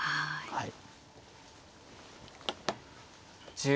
はい。